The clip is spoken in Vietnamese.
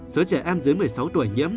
số trẻ em dưới một mươi sáu tuổi nhiễm